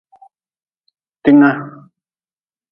Tinga.